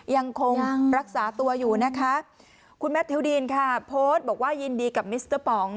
ยังคงรักษาตัวอยู่นะคะคุณแมททิวดีนค่ะโพสต์บอกว่ายินดีกับมิสเตอร์ป๋อง